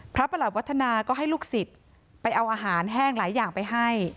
ประหลัดวัฒนาก็ให้ลูกศิษย์ไปเอาอาหารแห้งหลายอย่างไปให้